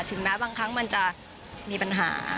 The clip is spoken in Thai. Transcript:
แม้บางครั้งมันจะมีปัญหา